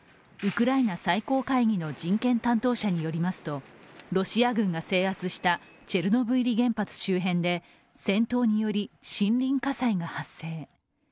ウクライナ最高会議の人権担当者によりますとロシア軍が制圧したチェルノブイリ原発周辺で戦闘により、森林火災が発生。